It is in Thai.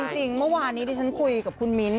จริงเมื่อวานนี้ดิฉันคุยกับคุณมิ้นท